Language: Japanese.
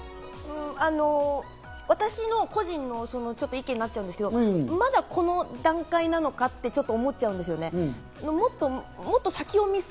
私の個人の意見になっちゃうんですけど、まだこの段階なのかって、ちょっと思っちゃうんですね。